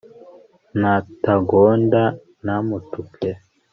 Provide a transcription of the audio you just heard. natagonda namutuke